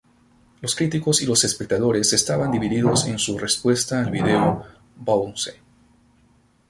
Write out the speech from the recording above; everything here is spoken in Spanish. Los críticos y los espectadores estaban divididos en su respuesta al video "Bounce".